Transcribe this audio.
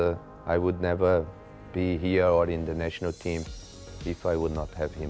ฉันไม่อยากอยู่ที่นักภัยหรอกถ้าไม่มีมันกับฉัน